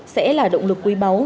sẽ là động lực quý báu